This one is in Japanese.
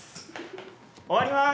終わります！